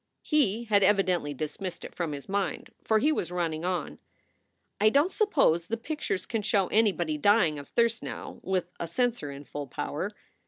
He had evidently dismissed it from his mind, for he was running on: "I don t suppose the pictures can show anybody dying of thirst now r , with a censor in full power.